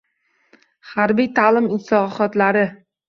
Harbiy ta’lim islohotlari